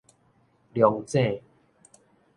龍井